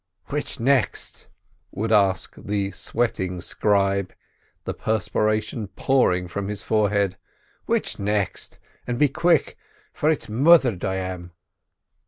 "Which next?" would ask the sweating scribe, the perspiration pouring from his forehead—"which next? an' be quick, for it's moithered I am."